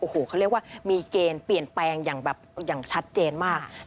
โอ้โหเขาเรียกว่ามีเกณฑ์เปลี่ยนแปลงอย่างแบบอย่างชัดเจนมาก